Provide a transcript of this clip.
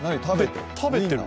食べてる？